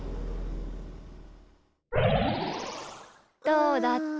どうだった？